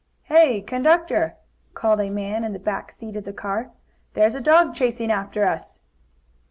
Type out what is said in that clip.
"Hey, conductor!" called a man in the back seat of the car, "there's a dog chasing after us!"